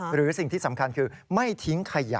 หรือสิ่งที่สำคัญคือไม่ทิ้งขยะ